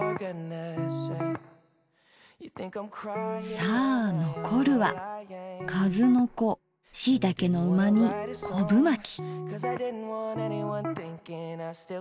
さあ残るはかずのこしいたけのうま煮こぶまき。